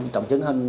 trọng chứng hình